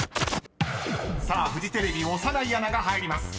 ［さあフジテレビ小山内アナが入ります］